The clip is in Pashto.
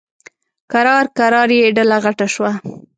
کرار کرار یې ډله غټه شوه.